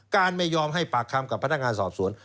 ไม่ยอมให้ปากคำกับพนักงานสอบสวน